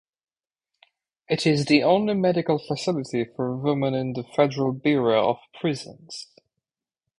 It is the only medical facility for women in the Federal Bureau of Prisons.